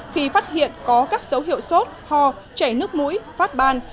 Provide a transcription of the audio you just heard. khi phát hiện có các dấu hiệu sốt ho chảy nước mũi phát ban